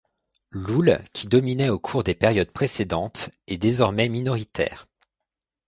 L'oule, qui dominait au cours des périodes précédentes, est désormais minoritaire.